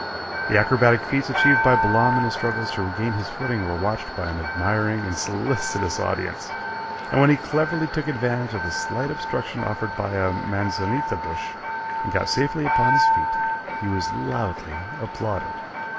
The acrobatic feats achieved by Balaam in his struggles to regain his footing were watched by an admiring and solicitous audience, and when he cleverly took advantage of the slight obstruction offered by a manzanita bush, and got safely upon his feet, he was loudly applauded.